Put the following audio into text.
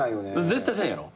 絶対せえへんやろ？